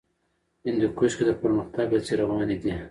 هندوکش کې د پرمختګ هڅې روانې دي.